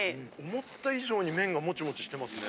・思った以上に麺がモチモチしてますね。